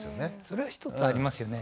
それは一つありますよね。